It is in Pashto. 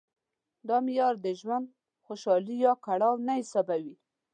دا معیار د ژوند خوشالي یا کړاو نه حسابوي.